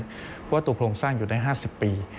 เพราะว่าตัวโครงสร้างอยู่ได้๕๐ปี